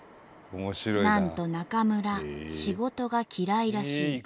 なんとナカムラ仕事が嫌いらしい。